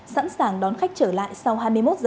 sẵn sàng đón khách trở lại sau hai mươi một h